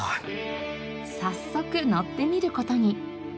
早速乗ってみる事に。